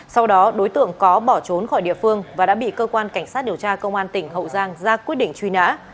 sau đó đối tượng có bỏ trốn khỏi địa phương và đã bị cơ quan cảnh sát điều tra công an tỉnh hậu giang ra quyết định truy nã